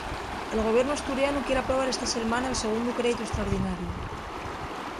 El Gobiernu asturianu quier aprobar esta selmana'l segundu creitu estraordinariu.